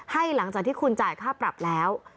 หลังจากที่คุณจ่ายค่าปรับแล้ว